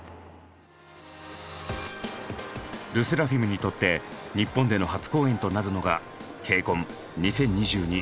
ＬＥＳＳＥＲＡＦＩＭにとって日本での初公演となるのがＫＣＯＮ２０２２